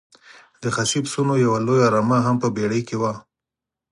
د خسي پسونو یوه لویه رمه هم په بېړۍ کې وه.